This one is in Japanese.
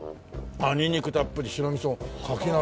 「ニンニクたっぷり白味噌牡蠣鍋」